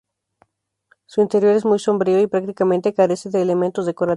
Su interior es muy sobrio y prácticamente carece de elementos decorativos.